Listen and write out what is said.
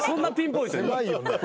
狭いよね。